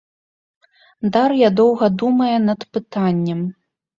Дар'я доўга думае над пытаннем.